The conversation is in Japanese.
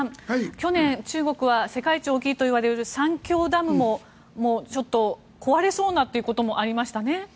去年、中国は世界一大きいといわれる三峡ダムもちょっと壊れそうなということもありましたね。